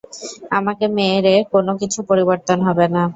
আমাকে মেরে কোনো কিছু পরিবর্তন হবে না।